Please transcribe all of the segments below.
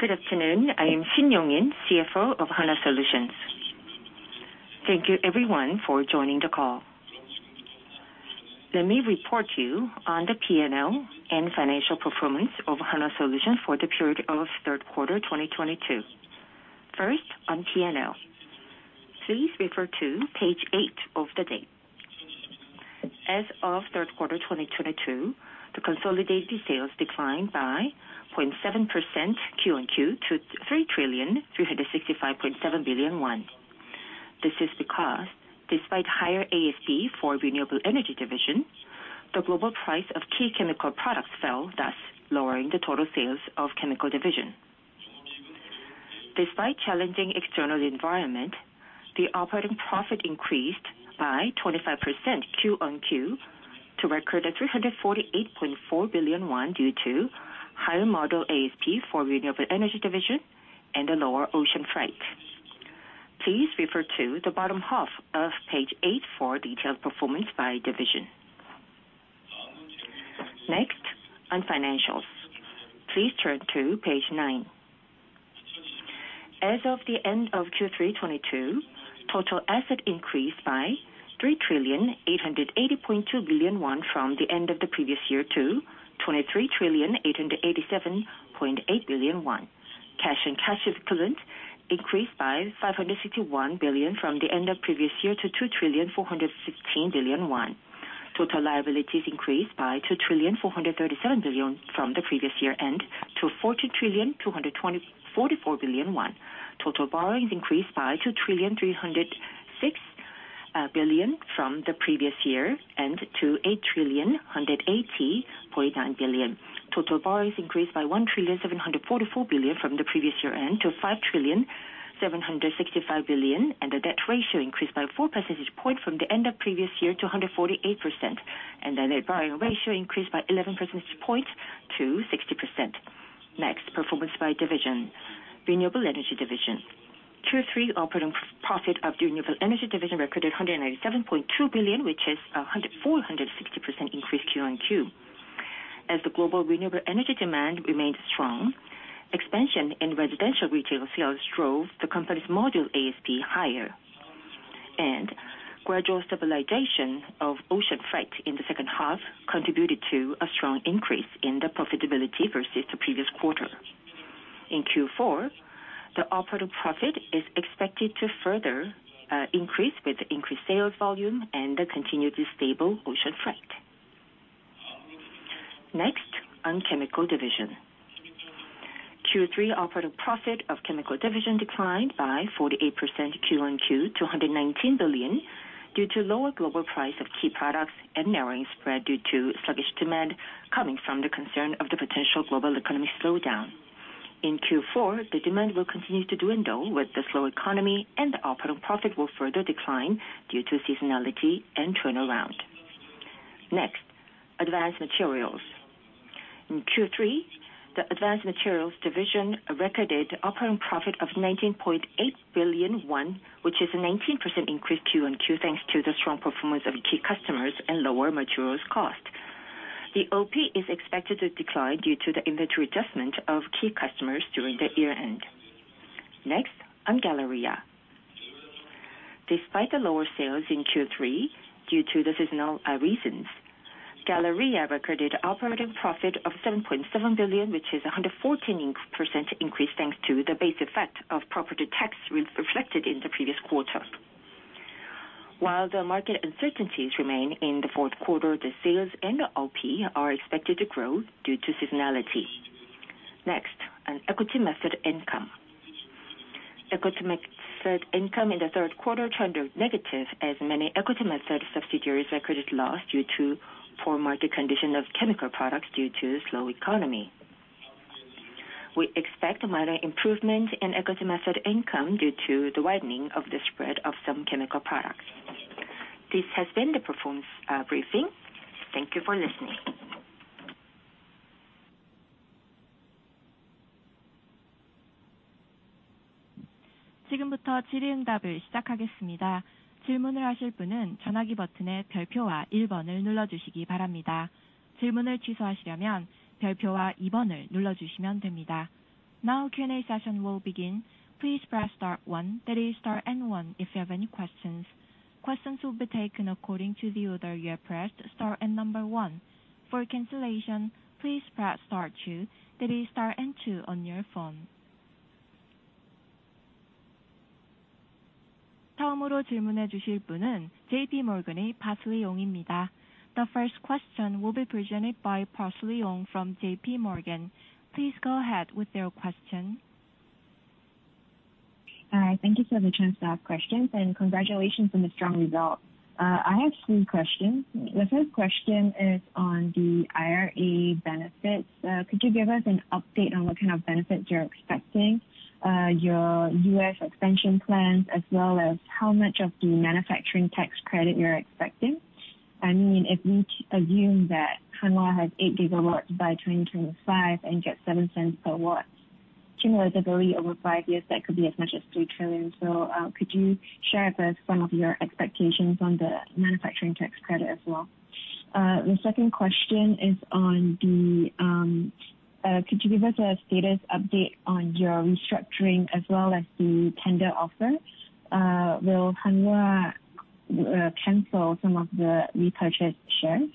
Good afternoon. I am Yong-In Shin, CFO of Hanwha Solutions. Thank you everyone for joining the call. Let me report to you on the P&L and financial performance of Hanwha Solutions for the period of third quarter 2022. First, on P&L. Please refer to page 8 of the deck. As of third quarter 2022, the consolidated sales declined by 0.7% Q on Q to 3,365.7 billion won. This is because despite higher ASP for renewable energy division, the global price of key chemical products fell, thus lowering the total sales of chemical division. Despite challenging external environment, the operating profit increased by 25% Q on Q to record 348.4 billion won due to higher module ASP for renewable energy division and the lower ocean freight. Please refer to the bottom half of page 8 for detailed performance by division. Next, on financials. Please turn to page 9. As of the end of Q3 2022, total asset increased by KRW 3,880.2 billion from the end of the previous year to KRW 23,887.8 billion. Cash and cash equivalent increased by KRW 561 billion from the end of previous year to KRW 2,416 billion. Total liabilities increased by 2,437 billion from the previous year end to 40,244 billion. Total borrowings increased by 2,306 billion from the previous year and to 8,180.9 billion Total borrowings increased by 1,744 billion from the previous year end to 5,765 billion. The debt ratio increased by four percentage points from the end of previous year to 148%. The net borrowing ratio increased by eleven percentage points to 60%. Next, performance by division. Renewable energy division. Q3 operating profit of the renewable energy division recorded 187.2 billion, which is 460% increase quarter-on-quarter. As the global renewable energy demand remains strong, expansion in residential retail sales drove the company's module ASP higher. Gradual stabilization of ocean freight in the second half contributed to a strong increase in the profitability versus the previous quarter. In Q4, the operating profit is expected to further increase with increased sales volume and the continued stable ocean freight. Next, on chemical division. Q3 operating profit of chemical division declined by 48% Q on Q to 119 billion due to lower global price of key products and narrowing spread due to sluggish demand coming from the concern of the potential global economic slowdown. In Q4, the demand will continue to dwindle with the slow economy, and the operating profit will further decline due to seasonality and turnaround. Next, advanced materials. In Q3, the advanced materials division recorded operating profit of 19.8 billion won, which is a 19% increase Q on Q thanks to the strong performance of key customers and lower materials cost. The OP is expected to decline due to the inventory adjustment of key customers during the year end. Next, on Galleria. Despite the lower sales in Q3 due to the seasonal reasons, Galleria recorded operating profit of 7.7 billion, which is a 114% increase thanks to the base effect of property tax reflected in the previous quarter. While the market uncertainties remain in the fourth quarter, the sales and the OP are expected to grow due to seasonality. Next, on equity method income. Equity method income in the third quarter turned negative as many equity method subsidiaries recorded loss due to poor market condition of chemical products due to slow economy. We expect a minor improvement in equity method income due to the widening of the spread of some chemical products. This has been the performance briefing. Thank you for listening. Now Q&A session will begin. Please press star one, that is star and one, if you have any questions. Questions will be taken according to the order you have pressed star and number one. For cancellation, please press star two, that is star and two, on your phone. The first question will be presented by Parsley Ong from JPMorgan Chase. Please go ahead with your question. Hi, thank you for the chance to ask questions, and congratulations on the strong results. I have three questions. The first question is on the IRA benefits. Could you give us an update on what kind of benefits you're expecting, your U.S. expansion plans, as well as how much of the manufacturing tax credit, you're expecting? I mean, if we assume that Hanwha has 8 GW by 2025 and gets $0.07 per watt cumulatively over five years, that could be as much as 3 trillion. Could you share with us some of your expectations on the manufacturing tax credit as well? The second question is on the could you give us a status update on your restructuring as well as the tender offer? Will Hanwha cancel some of the repurchased shares?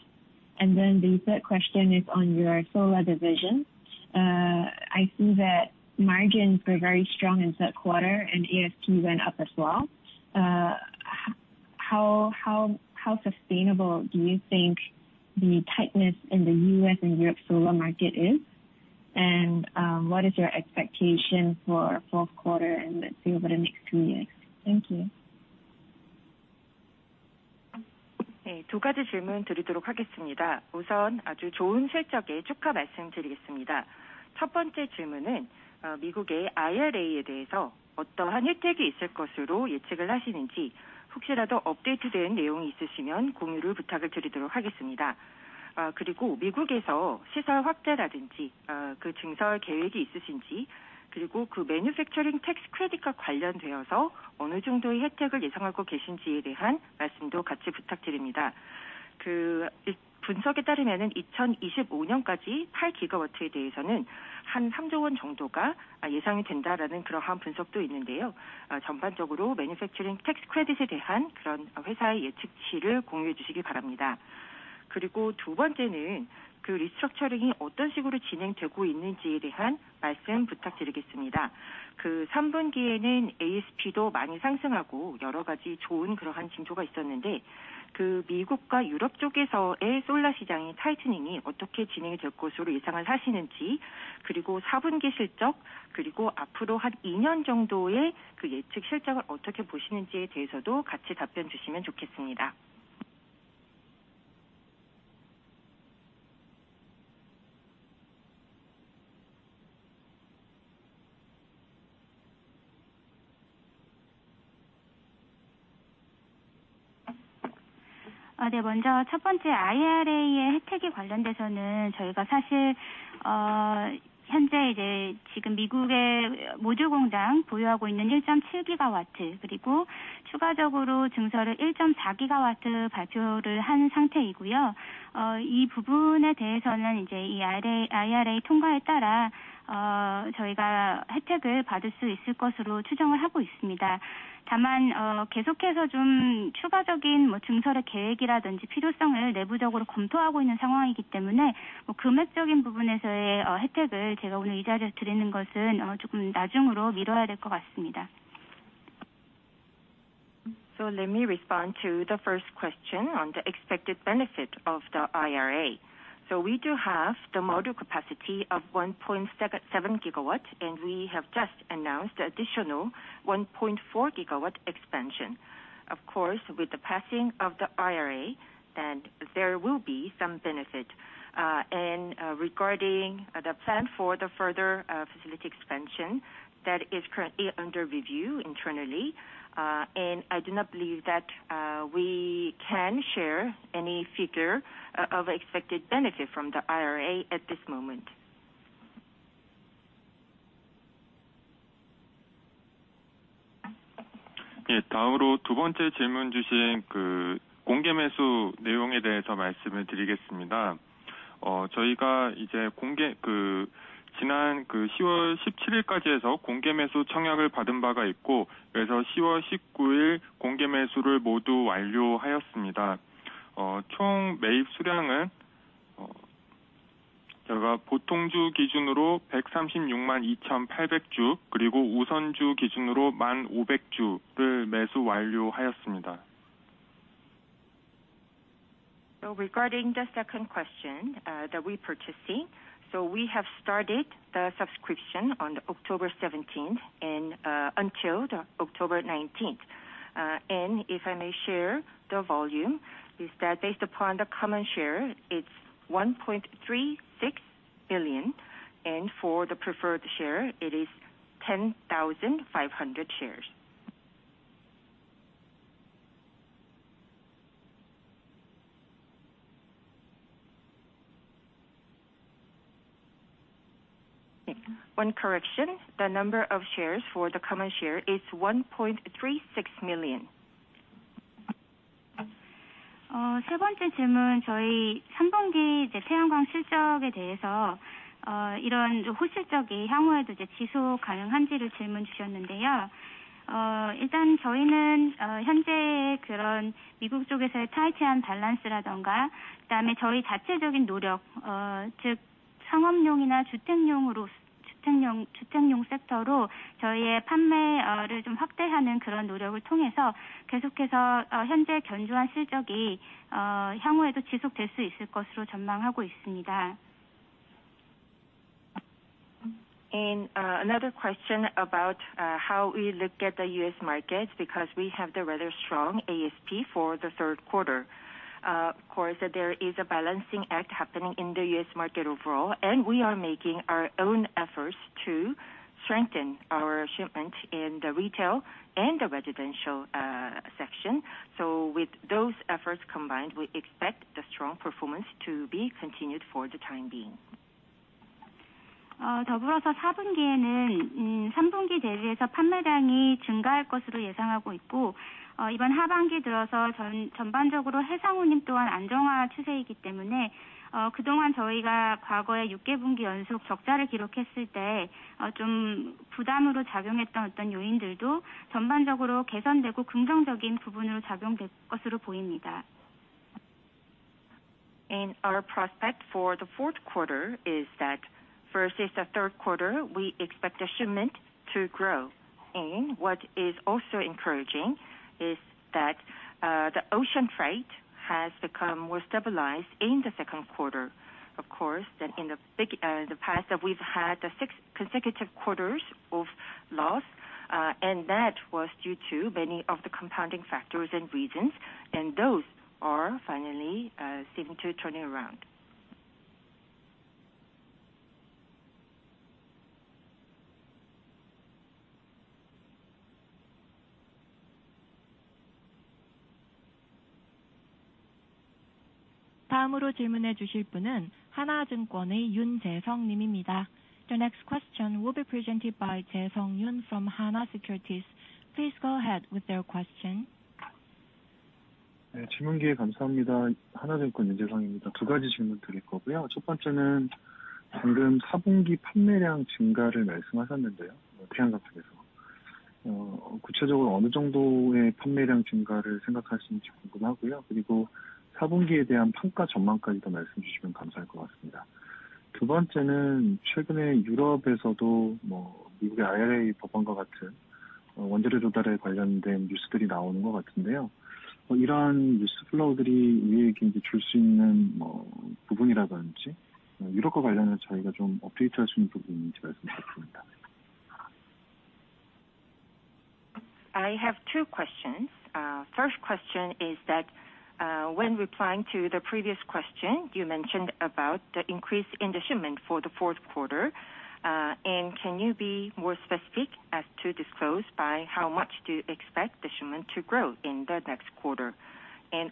And then the third question is on your solar division. I see that margins were very strong in third quarter and ASP went up as well. How sustainable do you think the tightness in the U.S. and Europe solar market is? And what is your expectation for fourth quarter and let's say over the next two years? Thank you. Let me respond to the first question on the expected benefit of the IRA. We do have the module capacity of 1.7 GW, and we have just announced the additional 1.4 GW expansion. Of course, with the passing of the IRA, then there will be some benefit. Regarding the plan for the further facility expansion, that is currently under review internally. I do not believe that we can share any figure of expected benefit from the IRA at this moment. Regarding the second question, the repurchasing. We have started the subscription on October seventeenth and until the October nineteenth. If I may share the volume is that based upon the common share, it's 1.36 billion, and for the preferred share it is 10,500 shares. One correction. The number of shares for the common share is 1.36 million. Another question about how we look at the U.S. market because we have the rather strong ASP for the third quarter. Of course, there is a balancing act happening in the U.S. market overall, and we are making our own efforts to strengthen our shipment in the retail and the residential section. With those efforts combined, we expect the strong performance to be continued for the time being. 더불어서 4분기에는 3분기 대비해서 판매량이 증가할 것으로 예상하고 있고, 이번 하반기 들어서 전반적으로 해상운임 또한 안정화 추세이기 때문에, 그동안 저희가 과거에 6개 분기 연속 적자를 기록했을 때좀 부담으로 작용했던 요인들도 전반적으로 개선되고 긍정적인 부분으로 작용될 것으로 보입니다. Our prospect for the fourth quarter is that versus the third quarter, we expect the shipment to grow. What is also encouraging is that the ocean freight has become more stabilized in the second quarter, of course, than in the past. That we've had six consecutive quarters of loss, and that was due to many of the compounding factors and reasons, and those are finally seeming to turning around. 다음으로 질문해 주실 분은 하나증권의 윤재성님입니다. The next question will be presented by Yoon Jae-sung from Hana Securities. Please go ahead with your question. 질문 기회 감사합니다. 하나증권 윤재성입니다. 두 가지 질문드릴 거고요. 첫 번째는 방금 4분기 판매량 증가를 말씀하셨는데요, 태양광 쪽에서. 구체적으로 어느 정도의 판매량 증가를 생각하시는지 궁금하고요. 그리고 4분기에 대한 판가 전망까지도 말씀해 주시면 감사할 것 같습니다. 두 번째는 최근에 유럽에서도 미국의 IRA 법안과 같은 원재료 조달에 관련된 뉴스들이 나오는 것 같은데요. 이러한 뉴스 플로우들이 위에 줄수 있는 부분이라든지, 유럽과 관련해서 저희가 좀 업데이트할 수 있는 부분이 있는지 말씀 부탁드립니다. I have two questions. First question is that, when replying to the previous question you mentioned about the increase in the shipment for the fourth quarter. Can you be more specific as to disclose by how much do you expect the shipment to grow in the next quarter?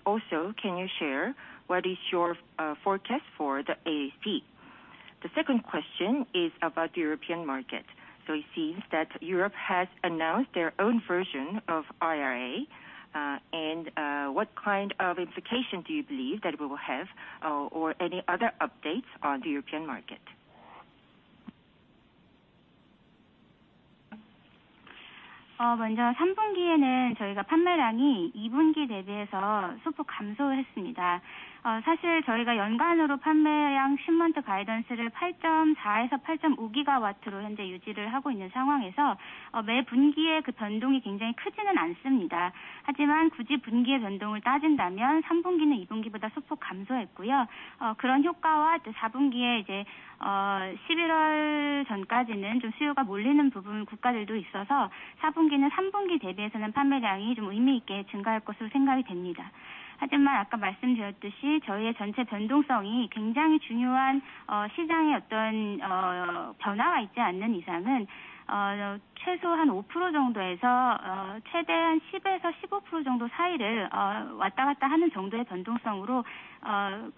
Also can you share what is your forecast for the ASP? The second question is about the European market. It seems that Europe has announced their own version of IRA. What kind of implication do you believe that it will have, or any other updates on the European market? 먼저 3분기에는 판매량이 2분기 대비해서 소폭 감소를 했습니다. 저희가 연간으로 판매량 shipment guidance를 8.4에서 8.5 gigawatt로 현재 유지를 하고 있는 상황에서 매 분기에 그 변동이 굉장히 크지는 않습니다. 하지만 굳이 분기의 변동을 따진다면 3분기는 2분기보다 소폭 감소했고요. 그런 효과와 또 4분기에 이제 11월 전까지는 좀 수요가 몰리는 부분, 국가들도 있어서 4분기는 3분기 대비해서는 판매량이 좀 의미 있게 증가할 것으로 생각이 됩니다. 하지만 아까 말씀드렸듯이 저희의 전체 변동성이 굉장히 중요한 시장의 변화가 있지 않는 이상은 최소한 5% 정도에서 최대 10에서 15% 정도 사이를 왔다갔다 하는 정도의 변동성으로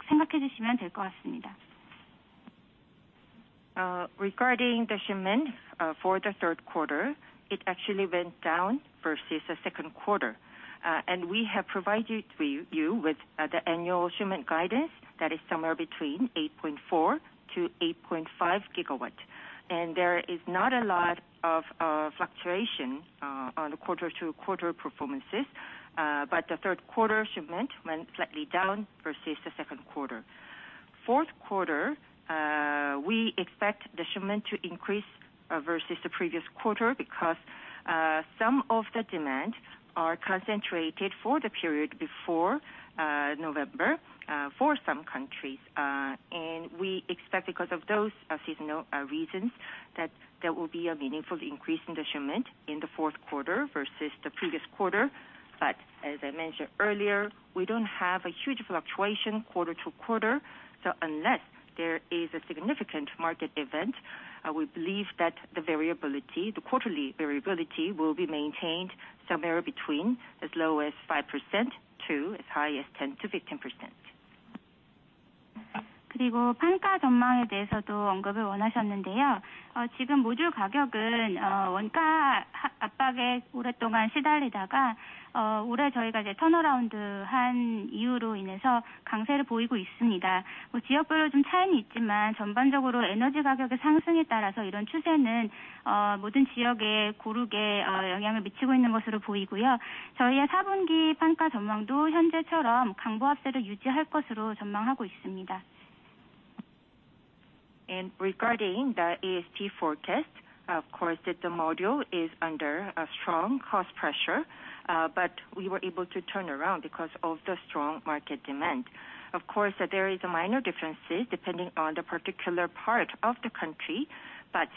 생각해주시면 될것 같습니다. Regarding the shipment, for the third quarter, it actually went down versus the second quarter. We have provided to you with the annual shipment guidance that is somewhere between 8.4-8.5 GW. There is not a lot of fluctuation on the quarter-to-quarter performances. The third quarter shipment went slightly down versus the second quarter. Fourth quarter, we expect the shipment to increase versus the previous quarter because some of the demand are concentrated for the period before November for some countries. We expect because of those seasonal reasons, that there will be a meaningful increase in the shipment in the fourth quarter versus the previous quarter. As I mentioned earlier, we don't have a huge fluctuation quarter to quarter. Unless there is a significant market event, we believe that the variability, the quarterly variability will be maintained somewhere between as low as 5% to as high as 10%-15%. 판가 전망에 대해서도 언급을 원하셨는데요. 지금 모듈 가격은 원가 압박에 오랫동안 시달리다가 올해 저희가 이제 턴어라운드한 이후로 인해서 강세를 보이고 있습니다. 지역별로 좀 차이는 있지만 전반적으로 에너지 가격의 상승에 따라서 이런 추세는 모든 지역에 고르게 영향을 미치고 있는 것으로 보이고요. 저희의 4분기 판가 전망도 현재처럼 강보합세를 유지할 것으로 전망하고 있습니다. Regarding the ASP forecast, of course, that the module is under a strong cost pressure. But we were able to turn around because of the strong market demand. Of course, there is a minor differences depending on the particular part of the country, but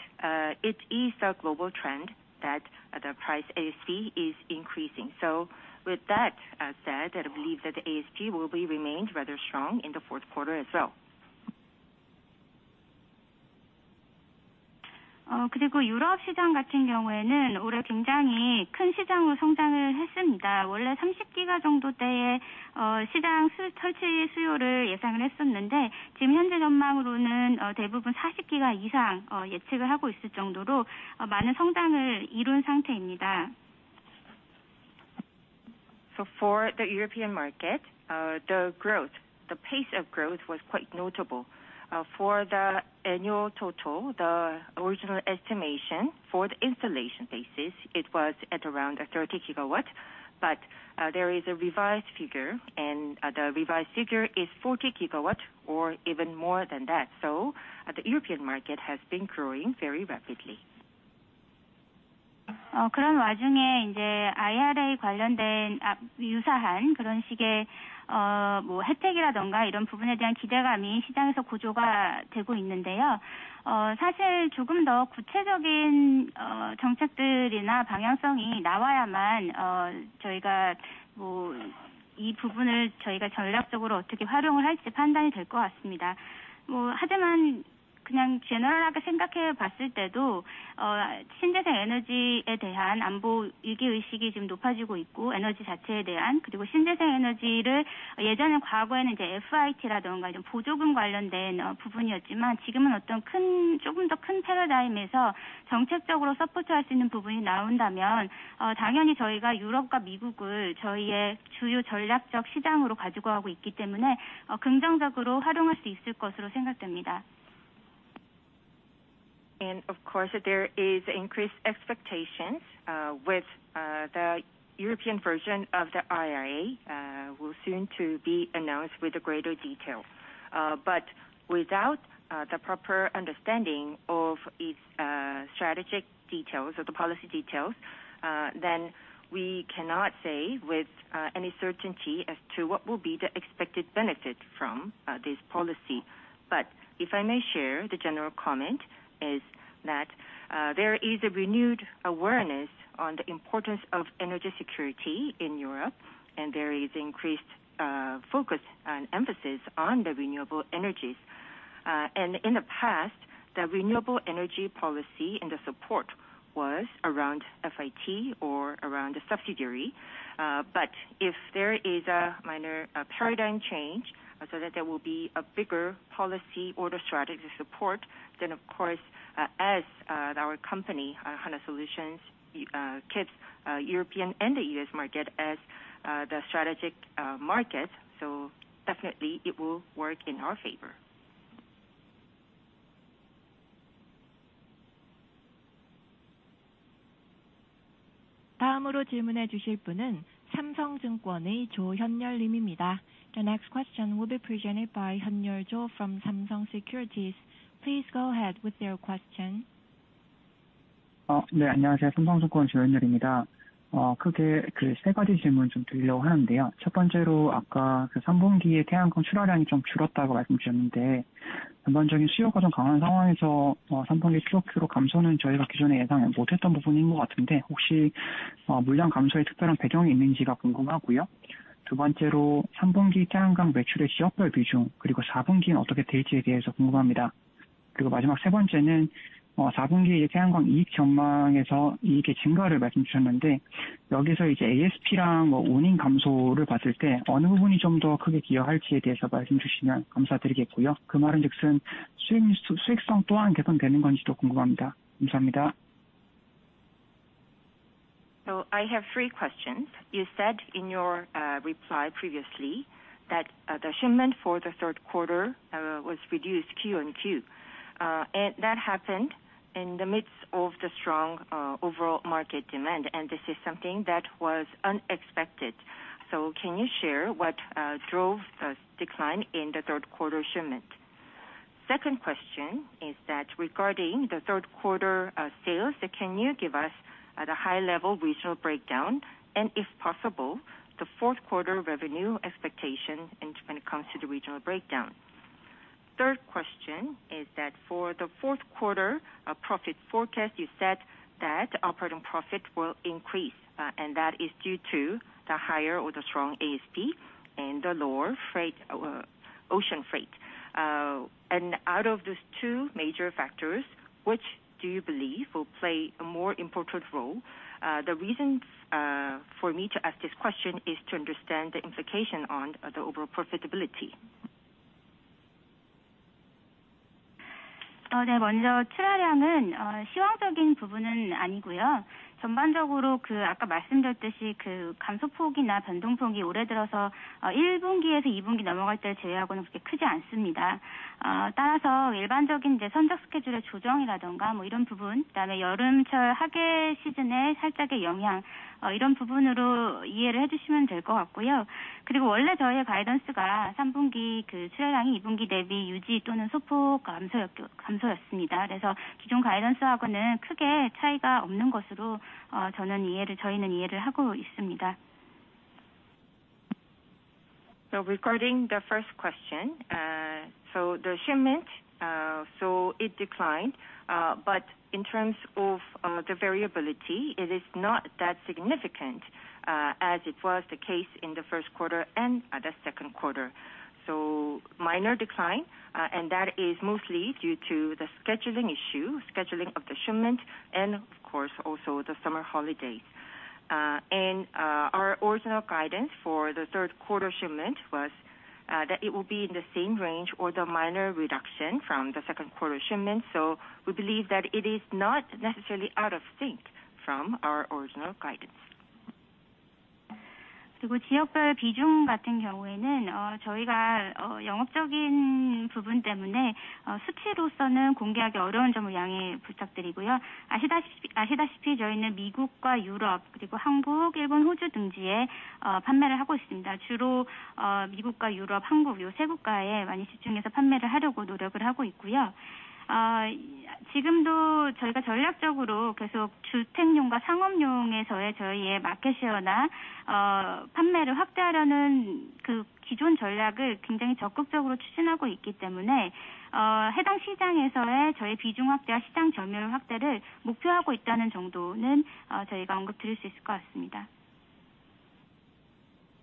it is a global trend that the price ASP is increasing. With that said, I believe that the ASP will be remained rather strong in the fourth quarter as well. 그리고 유럽 시장 같은 경우에는 올해 굉장히 큰 시장으로 성장을 했습니다. 원래 30 GW 정도대의 설치 수요를 예상을 했었는데 지금 현재 전망으로는 대부분 40 GW 이상 예측을 하고 있을 정도로 많은 성장을 이룬 상태입니다. For the European market, the growth, the pace of growth was quite notable for the annual total. The original estimation for the installation basis, it was at around 30 GW. There is a revised figure, and the revised figure is 40 GW or even more than that. So, the European market has been growing very rapidly. 그런 와중에 이제 IRA 관련된 유사한 그런 식의 혜택이라던가 이런 부분에 대한 기대감이 시장에서 고조가 되고 있는데요. 사실 조금 더 구체적인 정책들이나 방향성이 나와야만 저희가 이 부분을 저희가 전략적으로 어떻게 활용을 할지 판단이 될것 같습니다. 하지만 general하게 생각해 봤을 때도 신재생 에너지에 대한 안보 의식이 지금 높아지고 있고, 에너지 자체에 대한. 신재생 에너지를 예전에 과거에는 이제 FIT라던가 이런 보조금 관련된 부분이었지만 지금은 어떤 큰, 조금 더큰 패러다임에서 정책적으로 support 할수 있는 부분이 나온다면 당연히 저희가 유럽과 미국을 저희의 주요 전략적 시장으로 가지고 가고 있기 때문에 긍정적으로 활용할 수 있을 것으로 생각됩니다. Of course, there is increased expectations with the European version of the IRA, will soon be announced with greater detail. Without the proper understanding of its strategic details or the policy details, then we cannot say with any certainty as to what will be the expected benefit from this policy. If I may share, the general comment is that there is a renewed awareness on the importance of energy security in Europe, and there is increased focus and emphasis on the renewable energies. In the past, the renewable energy policy and the support was around FIT or around a subsidy. If there is a minor paradigm change so that there will be a bigger policy or the strategic support, then of course, as our company, Hanwha Solutions, keeps European and the U.S. market as the strategic market. Definitely it will work in our favor. 다음으로 질문해 주실 분은 삼성증권의 조현열 님입니다. The next question will be presented by Hyun-Yeol Cho from Samsung Securities. Please go ahead with your question. 네, 안녕하세요. 삼성증권 조현열입니다. 크게 세 가지 질문 좀 드리려고 하는데요. 첫 번째로 아까 3분기에 태양광 출하량이 좀 줄었다고 말씀 주셨는데 전반적인 수요가 좀 강한 상황에서 3분기 Q over Q로 감소는 저희가 기존에 예상 못했던 부분인 것 같은데 혹시 물량 감소의 특별한 배경이 있는지가 궁금하고요. 두 번째로 3분기 태양광 매출의 지역별 비중, 그리고 4분기는 어떻게 될지에 대해서 궁금합니다. 마지막 세 번째는 4분기에 태양광 이익 전망에서 이익의 증가를 말씀 주셨는데 여기서 ASP랑 운임 감소를 봤을 때 어느 부분이 좀더 크게 기여할지에 대해서 말씀 주시면 감사드리겠고요. 그 말은 즉슨 수익성 또한 개선되는 건지도 궁금합니다. 감사합니다. I have three questions. You said in your reply previously that the shipment for the third quarter was reduced Q-on-Q. That happened in the midst of the strong overall market demand, and this is something that was unexpected. Can you share what drove the decline in the third quarter shipment? Second question is that regarding the third quarter sales, can you give us at a high-level regional breakdown and if possible, the fourth quarter revenue expectation and when it comes to the regional breakdown? Third question is that for the fourth quarter profit forecast, you said that operating profit will increase, and that is due to the higher or the strong ASP and the lower ocean freight. Out of those two major factors, which do you believe will play a more important role? The reason for me to ask this question is to understand the implication on the overall profitability. 네, 먼저 출하량은 시황적인 부분은 아니고요. 전반적으로 아까 말씀드렸듯이 감소폭이나 변동폭이 올해 들어서 1분기에서 2분기 넘어갈 때를 제외하고는 그렇게 크지 않습니다. 따라서 일반적인 선적 스케줄의 조정이라던가 이런 부분, 그다음에 여름철 하계 시즌의 살짝의 영향, 이런 부분으로 이해를 해주시면 될것 같고요. 그리고 원래 저희의 guidance가 3분기 출하량이 2분기 대비 유지 또는 소폭 감소였습니다. 그래서 기존 guidance하고는 크게 차이가 없는 것으로 저희는 이해를 하고 있습니다. So regarding the first question, the shipment declined. In terms of the variability, it is not that significant, as it was the case in the first quarter and the second quarter. Minor decline, and that is mostly due to the scheduling issue, scheduling of the shipment and of course also the summer holidays. Our original guidance for the third quarter shipment was that it will be in the same range or the minor reduction from the second quarter shipment. We believe that it is not necessarily out of sync from our original guidance.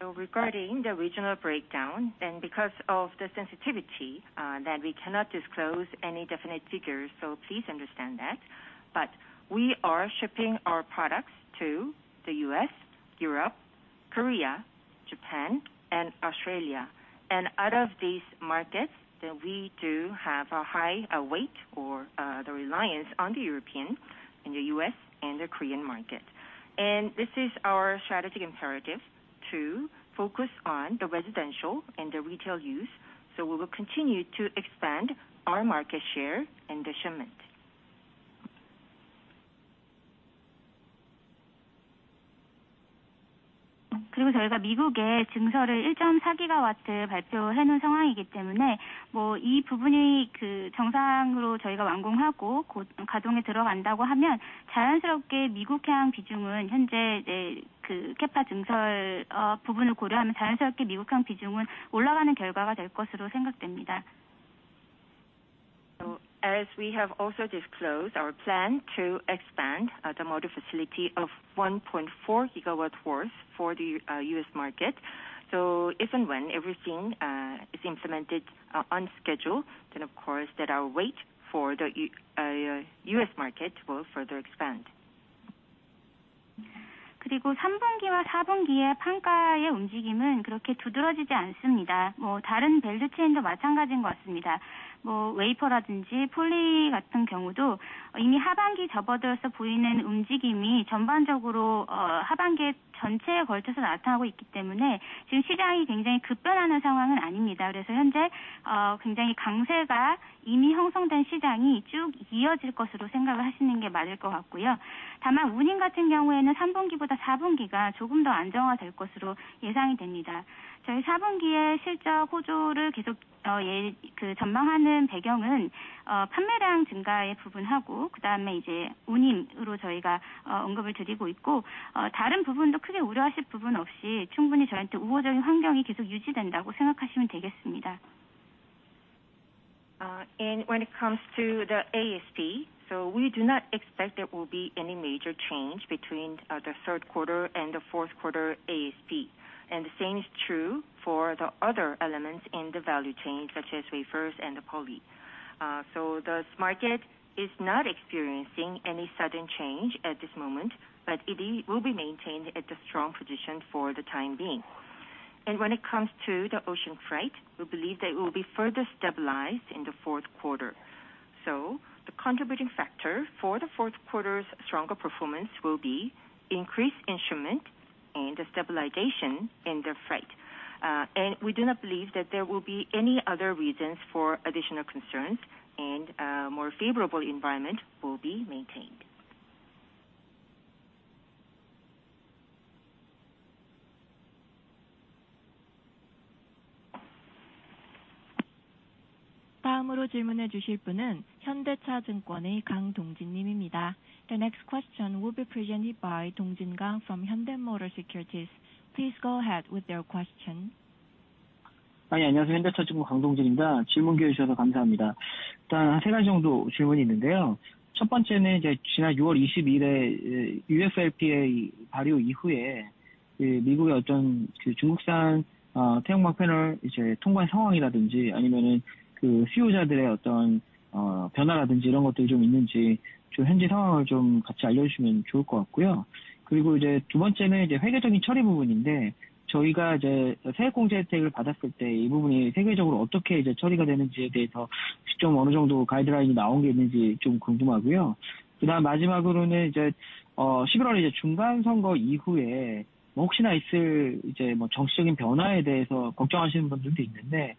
Regarding the regional breakdown then, because of the sensitivity, that we cannot disclose any definite figures. Please understand that. We are shipping our products to the U.S., Europe, Korea, Japan and Australia. Out of these markets then we do have a high weight or the reliance on the European and the U.S. and the Korean market. This is our strategic imperative to focus on the residential and the retail use. We will continue to expand our market share and the shipment. As we have also disclosed our plan to expand the module facility of 1.4 GW worth for the U.S. market. If and when everything is implemented on schedule, then of course that our weight for the U.S. market will further expand. When it comes to the ASP, we do not expect there will be any major change between the third quarter and the fourth quarter ASP. The same is true for the other elements in the value chain, such as wafers and the poly. This market is not experiencing any sudden change at this moment, but it will be maintained at a strong position for the time being. When it comes to the ocean freight, we believe that it will be further stabilized in the fourth quarter. The contributing factor for the fourth quarter's stronger performance will be increased shipment and the stabilization in the freight. We do not believe that there will be any other reasons for additional concerns, and more favorable environment will be maintained. The next question will be presented by Dong-jin Kang from Hyundai Motor Securities. Please go ahead with your question. I have three questions. In July 20, there was the UFLPA passed, and that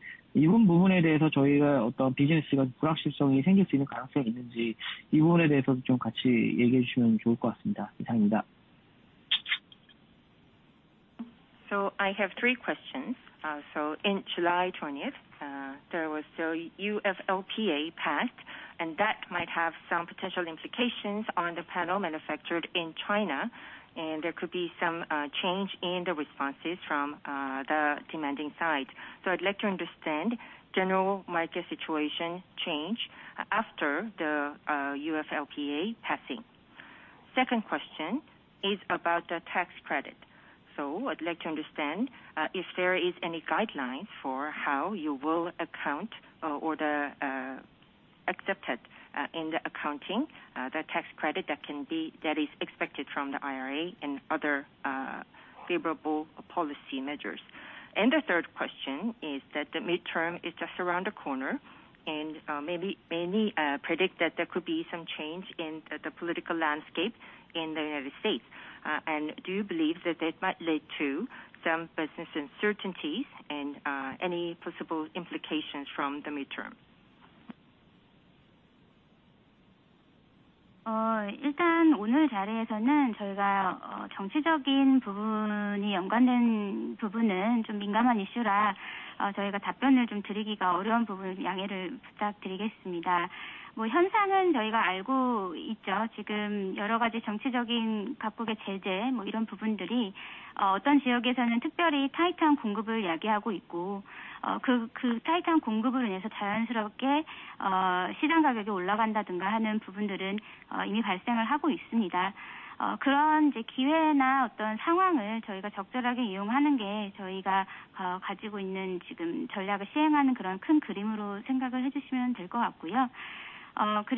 might have some potential implications on the panel manufactured in China, and there could be some change in the responses from the demand side. I'd like to understand general market situation change after the UFLPA passing. Second question is about the tax credit. I'd like to understand if there is any guidelines for how you will account or the accepted in the accounting the tax credit that can be, that is expected from the IRA and other favorable policy measures. The third question is that the midterm is just around the corner and maybe many predict that there could be some change in the political landscape in the United States. Do you believe that might lead to some business uncertainties and any possible implications from the midterm? I'd like to ask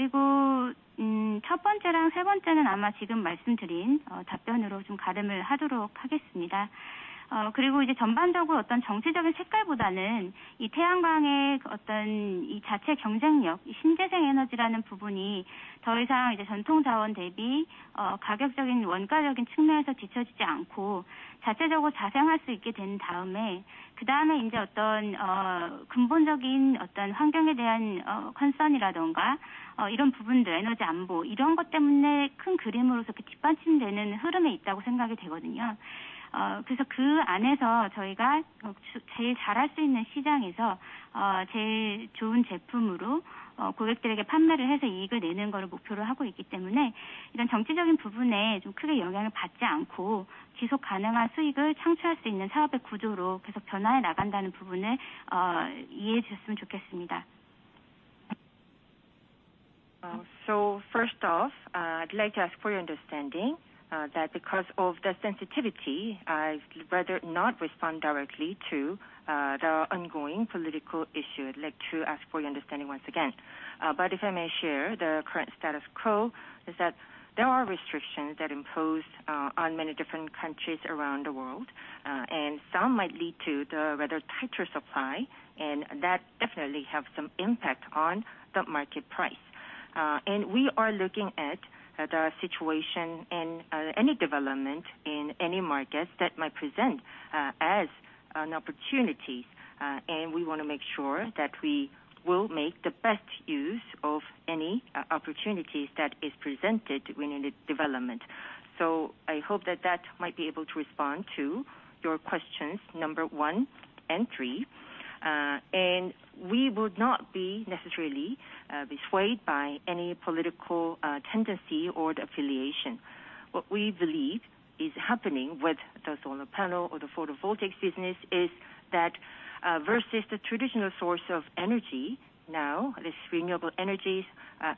for your understanding that because of the sensitivity; I'd rather not respond directly to the ongoing political issue. I'd like to ask for your understanding once again. If I may share, the current status quo is that there are restrictions that impose on many different countries around the world, and some might lead to the rather tighter supply, and that definitely have some impact on the market price. We are looking at the situation and any development in any markets that might present as opportunities. We wanna make sure that we will make the best use of any opportunities that is presented when needed development. I hope that that might be able to respond to your questions, number one and three. We would not be necessarily swayed by any political tendency or the affiliation. What we believe is happening with the solar panel or the photovoltaic business is that, versus the traditional source of energy, now this renewable energy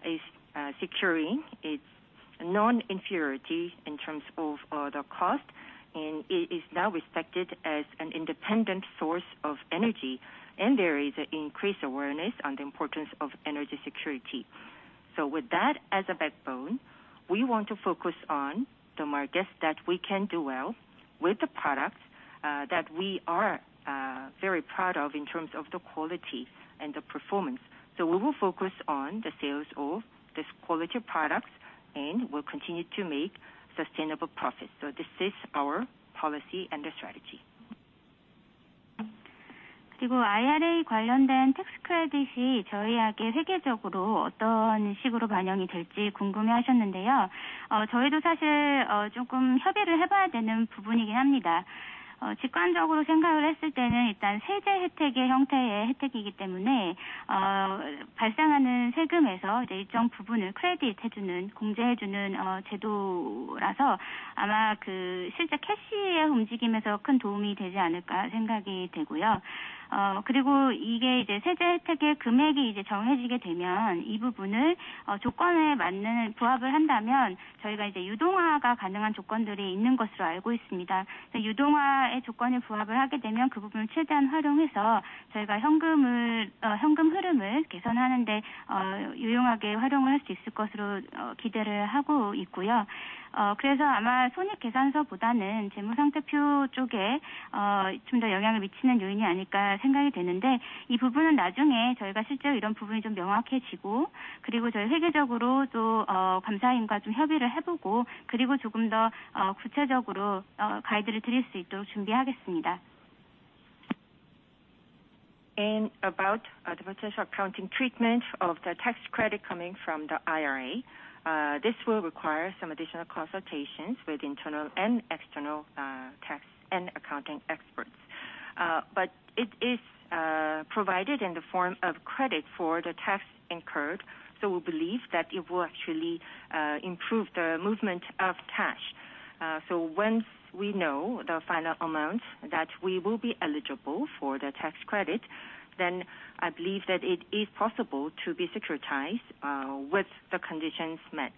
is securing its non-inferiority in terms of the cost, and it is now respected as an independent source of energy. There is increased awareness on the importance of energy security. With that as a backbone, we want to focus on the markets that we can do well with the products that we are very proud of in terms of the quality and the performance. We will focus on the sales of these quality products, and we'll continue to make sustainable profits. This is our policy and the strategy. About the potential accounting treatment of the tax credit coming from the IRA. This will require some additional consultations with internal and external tax and accounting experts. It is provided in the form of credit for the tax incurred, so we believe that it will actually improve the movement of cash. Once we know the final amount that we will be eligible for the tax credit, I believe that it is possible to be securitized with the conditions met.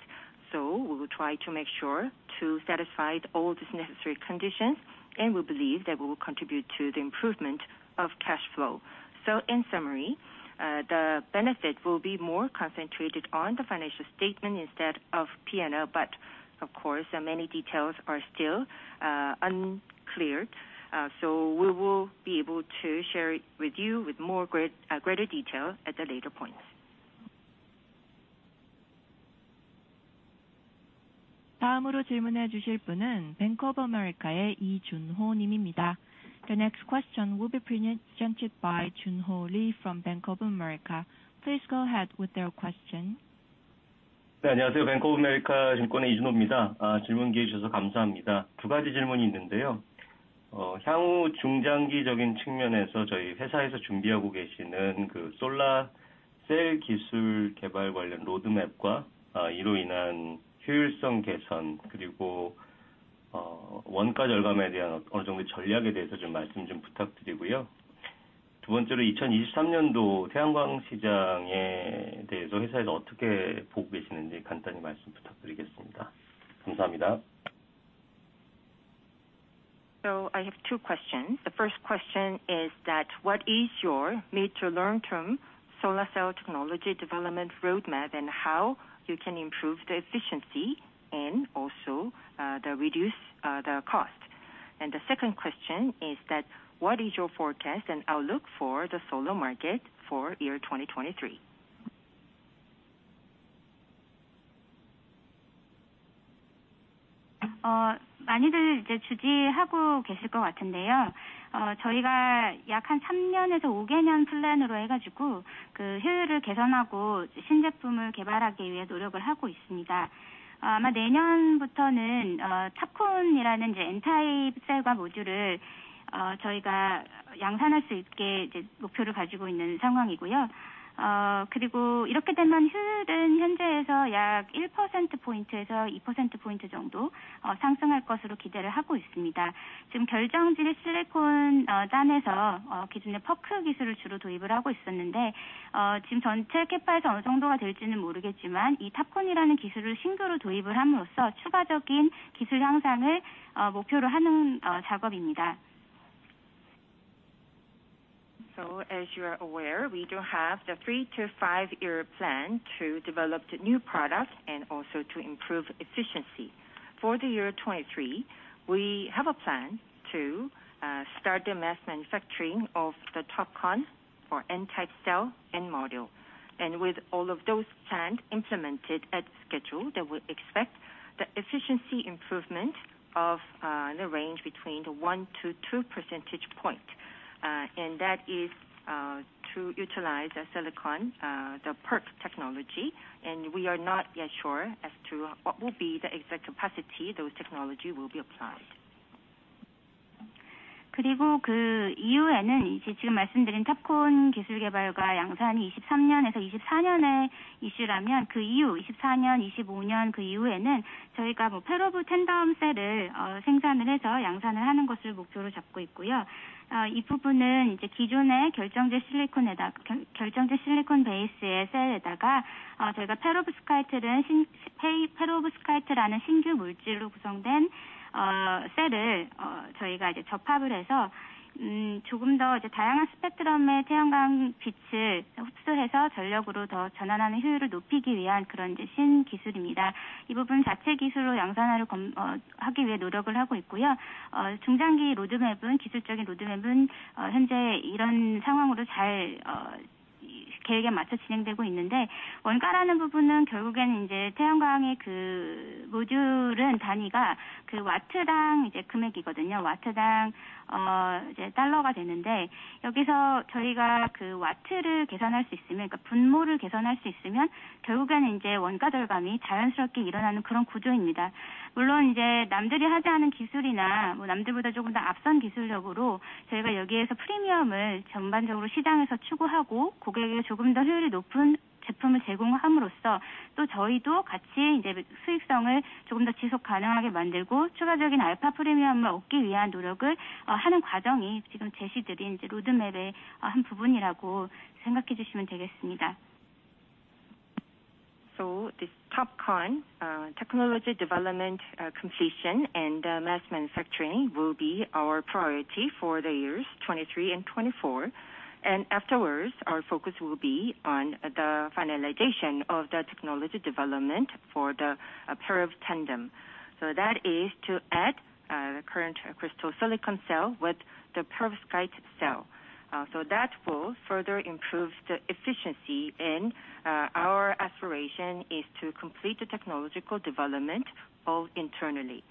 We will try to make sure to satisfy all these necessary conditions, and we believe that we will contribute to the improvement of cash flow. In summary, the benefit will be more concentrated on the financial statement instead of P&L. Of course, many details are still unclear. We will be able to share it with you with greater detail at the later point. The next question will be presented by Joon Ho Lee from Bank of America. Please go ahead with your question. I have two questions. The first question is that what is your mid- to long-term solar cell technology development roadmap and how you can improve the efficiency and also reduce the cost? The second question is that what is your forecast and outlook for the solar market for year 2023? As you are aware, we do have the three- to five-year plan to develop the new products and also to improve efficiency. For the year 2023, we have a plan to start the mass manufacturing of the TOPCon or N-type cell and module. With all of those plans implemented at schedule that we expect the efficiency improvement of the range between 1-2 percentage points, and that is to utilize the silicon PERC technology. We are not yet sure as to what will be the exact capacity those technology will be applied. This TOPCon technology development completion and mass manufacturing will be our priority for the years 2023 and 2024. Afterwards, our focus will be on the finalization of the technology development for the perovskite tandem. That is to add the current crystalline silicon cell with the perovskite cell. That will further improve the efficiency. Our aspiration is to complete the technological development all internally.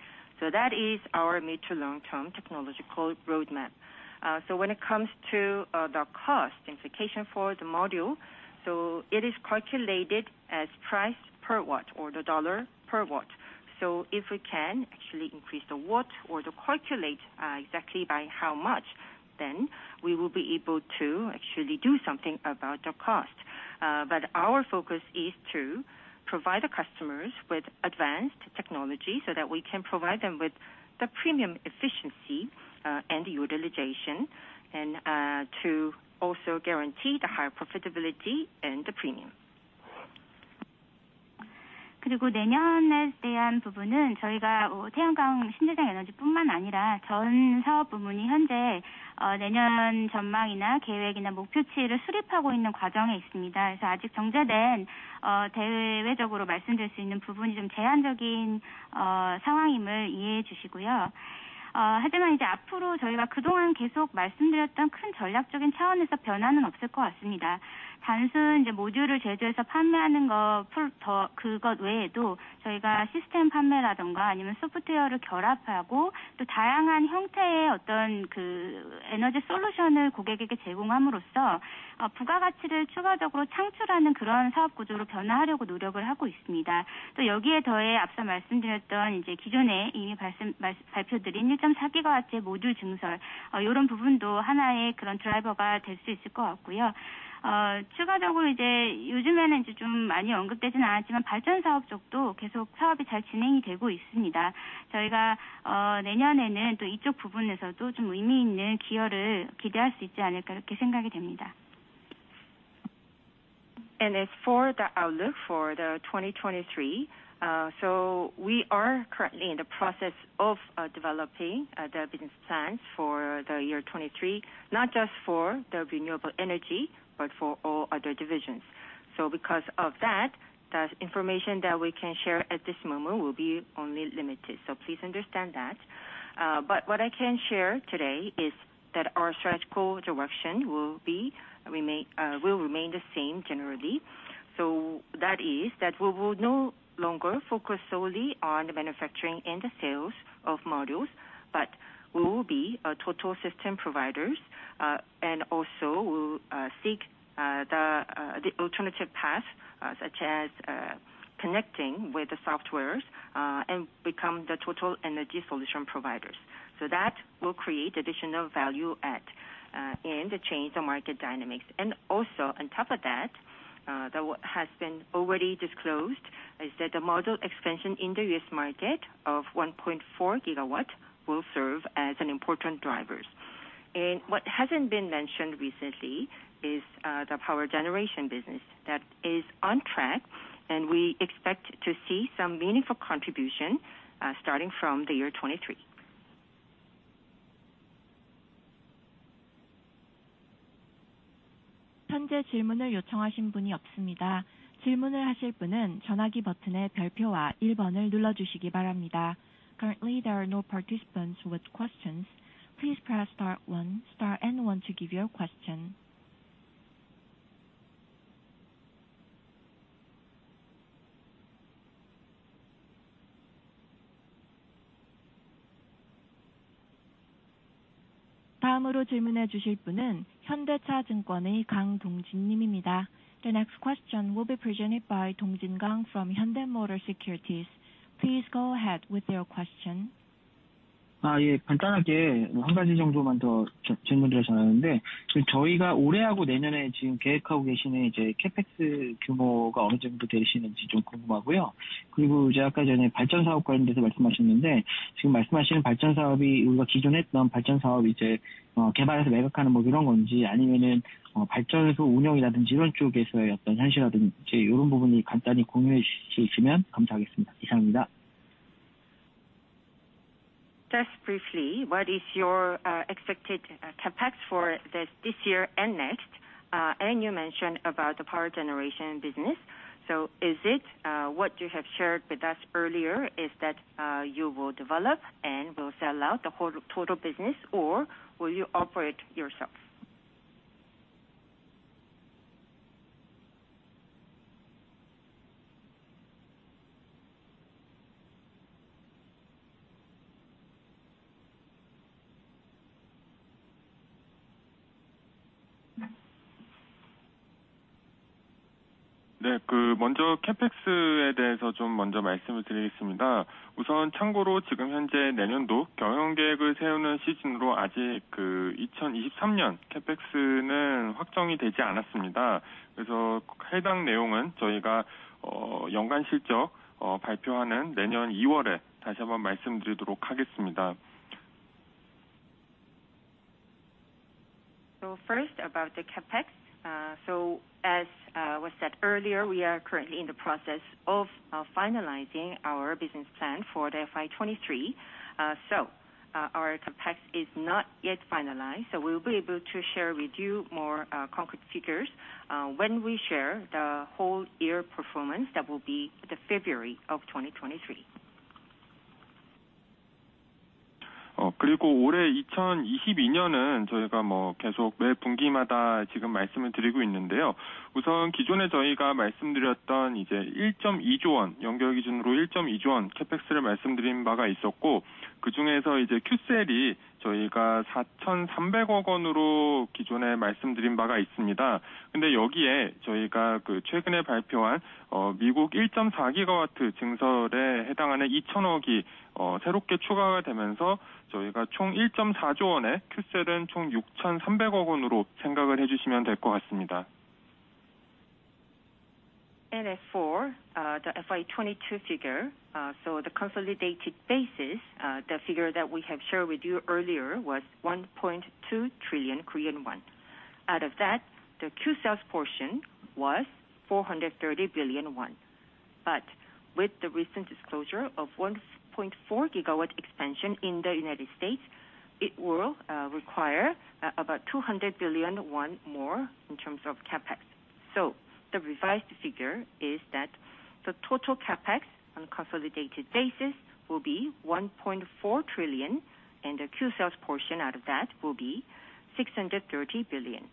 That is our mid- to long-term technological roadmap. When it comes to the cost implication for the module, it is calculated as price per watt or the dollar per watt. If we can actually increase the watt or calculate exactly by how much, then we will be able to actually do something about the cost. Our focus is to provide the customers with advanced technology so that we can provide them with the premium efficiency and utilization and to also guarantee the higher profitability and the premium. As for the outlook for 2023, we are currently in the process of developing the business plans for the year 2023, not just for the renewable energy, but for all other divisions. Because of that, the information that we can share at this moment will be only limited. Please understand that. What I can share today is that our strategic direction will remain the same generally. That is, we will no longer focus solely on the manufacturing and the sales of modules, but we will be total system providers, and also, we'll seek the alternative path, such as connecting with the software's, and become the total energy solution providers. That will create additional value add and change the market dynamics. Also, on top of that has been already disclosed is that the module expansion in the U.S. market of 1.4 GW will serve as an important driver. What hasn't been mentioned recently is the power generation business that is on track, and we expect to see some meaningful contribution starting from the year 2023. Currently there are no participants with questions. Please press star one, star and one to give your question. The next question will be presented by Dong-jin Kang from Hyundai Motor Securities. Please go ahead with your question. Just briefly, what is your expected CapEx for this year and next? You mentioned about the power generation business. Is it what you have shared with us earlier is that you will develop and will sell out the whole total business, or will you operate yourself? First about the CapEx. As was said earlier, we are currently in the process of finalizing our business plan for the FY 2023. Our CapEx is not yet finalized, so we will be able to share with you more concrete figures when we share the whole year performance. That will be the February of 2023. As for the FY 2022 figure, the consolidated basis, the figure that we have shared with you earlier was 1.2 trillion Korean won. Out of that, the Qcells portion was 430 billion won. With the recent disclosure of 1.4 GW expansion in the United States, it will require about 200 billion won more in terms of CapEx. The revised figure is that the total CapEx on a consolidated basis will be 1.4 trillion, and the Qcells portion out of that will be 630 billion.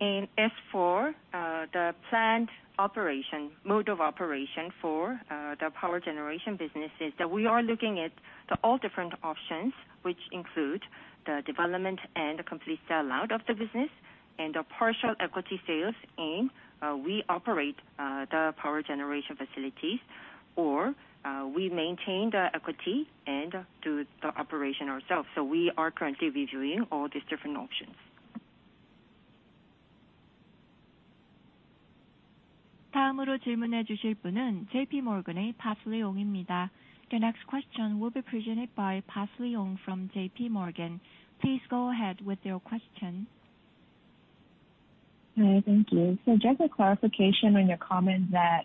As for the planned operation, mode of operation for the power generation businesses that we are looking at all the different options which include the development and the complete sell out of the business and the partial equity sales. We operate the power generation facilities, or we maintain the equity and do the operation ourselves. We are currently reviewing all these different options. The next question will be presented by Parsley Ong from JPMorgan. Please go ahead with your question. Hi. Thank you. Just a clarification on your comment that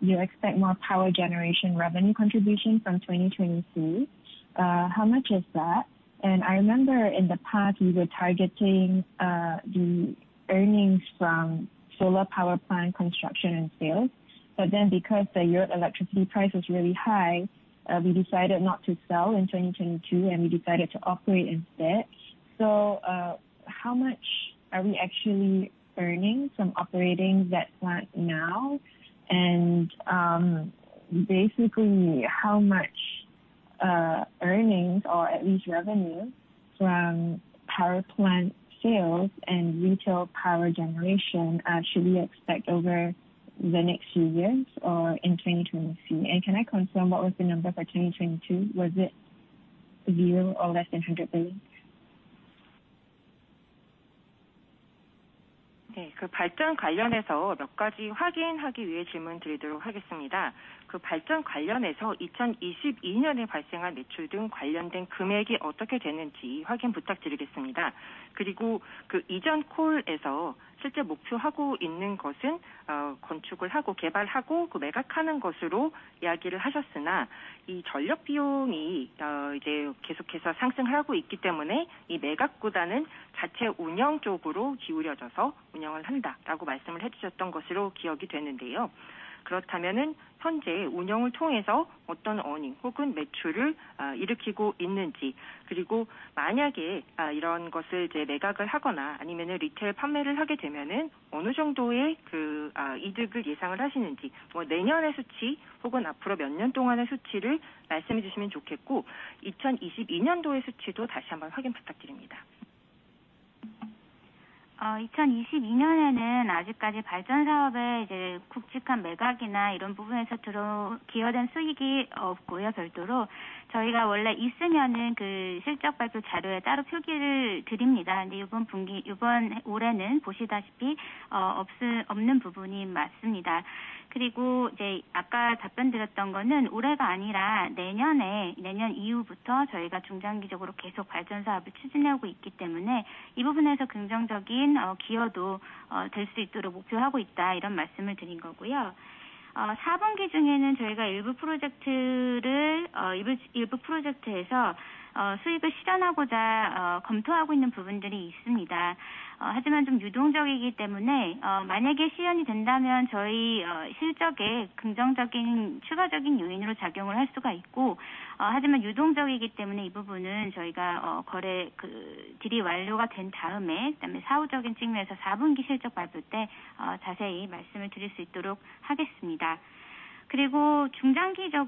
you expect more power generation revenue contribution from 2022. How much is that? I remember in the past, you were targeting the earnings from solar power plant construction and sales. Because the European electricity price was really high, we decided not to sell in 2022, and we decided to operate instead. How much are we actually earning from operating that plant now? Basically, how much earnings or at least revenue from power plant sales and retail power generation should we expect over the next few years or in 2022? Can I confirm what was the number for 2022? Was it zero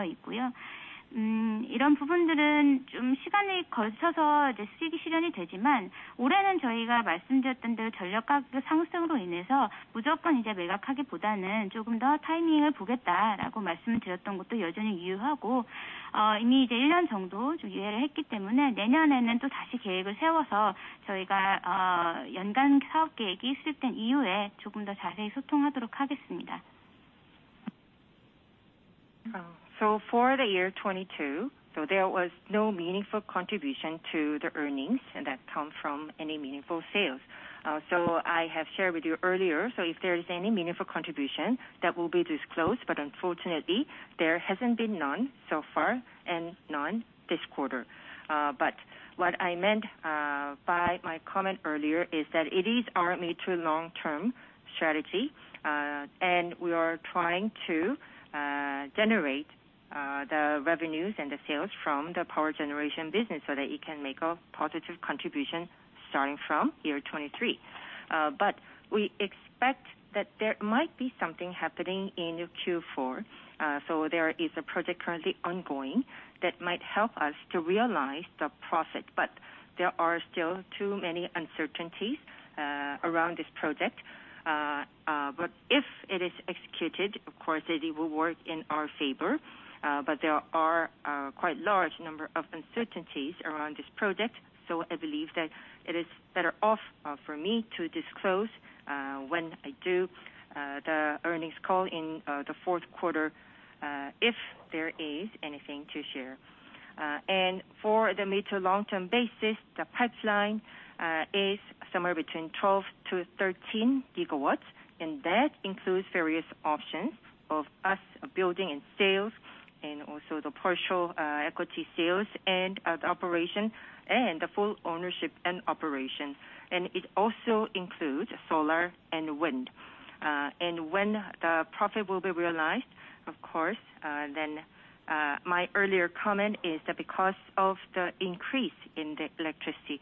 or less than KRW 100 billion? For the year 2022, there was no meaningful contribution to the earnings that come from any meaningful sales. I have shared with you earlier. If there is any meaningful contribution that will be disclosed, but unfortunately there hasn't been none so far and none this quarter. What I meant by my comment earlier is that it is our mid- to long-term strategy, and we are trying to generate the revenues and the sales from the power generation business so that it can make a positive contribution starting from 2023. We expect that there might be something happening in Q4. There is a project currently ongoing that might help us to realize the profit, but there are still too many uncertainties around this project. If it is executed, of course it will work in our favor, but there are quite large number of uncertainties around this project. I believe that it is better off for me to disclose when I do the earnings call in the fourth quarter if there is anything to share. For the mid to long term basis, the pipeline is somewhere between 12-13 GW, and that includes various options of us building and sales and also the partial equity sales and the operation and the full ownership and operation. It also includes solar and wind. When the profit will be realized, of course, then my earlier comment is that because of the increase in the electricity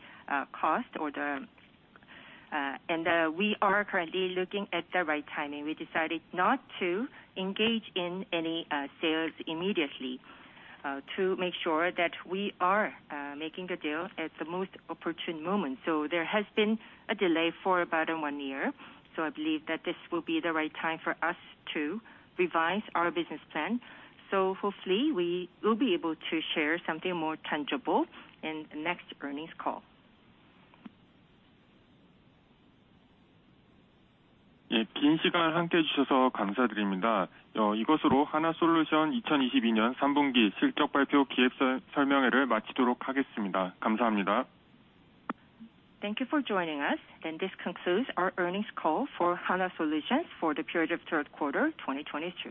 cost or the. We are currently looking at the right timing. We decided not to engage in any sales immediately to make sure that we are making the deal at the most opportune moment. There has been a delay for about one year. I believe that this will be the right time for us to revise our business plan. Hopefully we will be able to share something more tangible in the next earnings call. Thank you for joining us and this concludes our earnings call for Hanwha Solutions for the period of third quarter 2022.